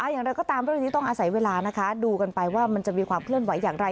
อย่างไรก็ตามเรื่องนี้ต้องอาศัยเวลานะคะดูกันไปว่ามันจะมีความเคลื่อนไหวอย่างไร